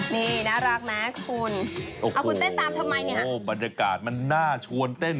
นี่น่ารักไหมคุณเอาคุณเต้นตามทำไมเนี่ยโอ้บรรยากาศมันน่าชวนเต้น